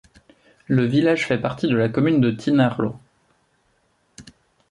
Le village fait partie de la commune de Tynaarlo.